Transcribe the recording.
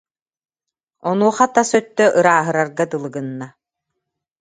Онуоха тас өттө ырааһырарга дылы гынна